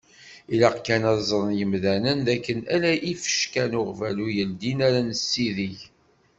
Ilaq kan ad ẓren yimdanen d akken ala ifecka n uɣbalu yeldin ara nessidig.